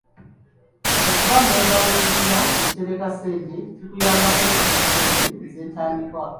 Okuba mmemba w'ekibiina ekitereka ssente kikuyambako okufuna ssente z'entandikwa.